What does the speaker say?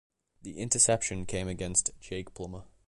The interception came against Jake Plummer.